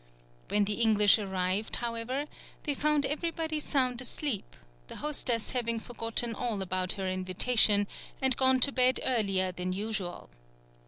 When the English arrived, however, they found everybody sound asleep, the hostess having forgotten all about her invitation, and gone to bed earlier than usual.